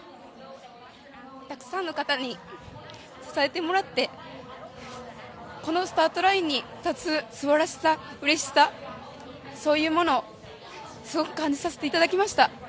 たくさんの方に支えてもらって、このスタートラインに立つすばらしさ、うれしさ、そういうものをすごく感じさせていただきました。